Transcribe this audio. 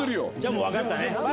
もう分かったね。